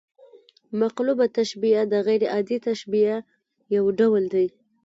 مقلوبه تشبیه د غـير عادي تشبیه یو ډول دئ.